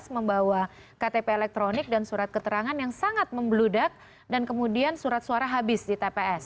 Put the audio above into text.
membawa ktp elektronik dan surat keterangan yang sangat membeludak dan kemudian surat suara habis di tps